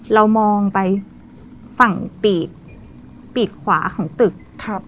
เรามองไปฝั่งปีกปีกขวาของตึกครับ